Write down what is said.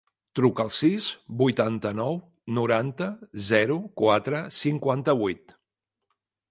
Truca al sis, vuitanta-nou, noranta, zero, quatre, cinquanta-vuit.